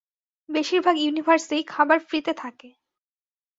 বেশিরভাগ ইউনিভার্সেই খাবার ফ্রী-তে থাকে।